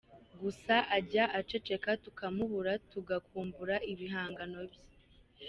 Gusa ajya aceceka tukamubura, tugakumbura ibihangano bye.